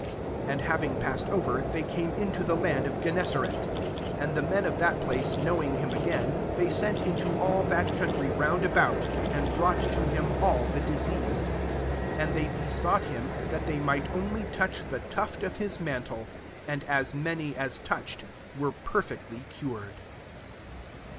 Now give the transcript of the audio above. '' 34 Anb htrving pastsed oyer, they came into the land of Gcn nesaret. 35 And the men of that place knowing him again, they sent into all that country round about, and brou^t to him all the diseased ; 36 and they besought him that they might only touch the tufl of his mantle : and as many as touch ed wereperfectly cured.